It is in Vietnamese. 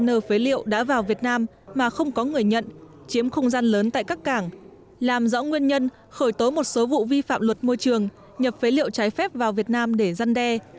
cơ phế liệu đã vào việt nam mà không có người nhận chiếm không gian lớn tại các cảng làm rõ nguyên nhân khởi tố một số vụ vi phạm luật môi trường nhập phế liệu trái phép vào việt nam để gian đe